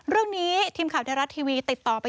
เรื่องนี้ทีมข่าวไทยรัฐทีวีติดต่อไป